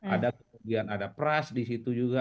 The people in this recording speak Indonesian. ada kemudian ada pras di situ juga